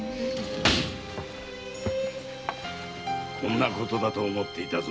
こんなことだと思っていたぞ。